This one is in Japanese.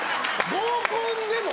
合コンでも？